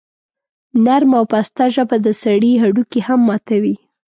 نرمه او پسته ژبه د سړي هډوکي هم ماتوي.